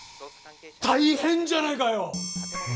大変じゃないかよ！